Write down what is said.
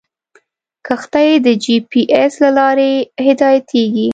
کښتۍ د جي پي ایس له لارې هدایتېږي.